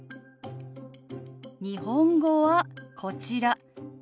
日本語はこちら「何時？」